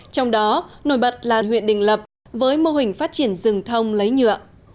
trong đó nổi bật là huyện đình lập với mô hình phát triển rừng thông lấy nhựa